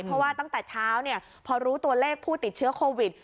เพราะว่าตั้งแต่เช้าพอรู้ตัวเลขผู้ติดเชื้อโควิด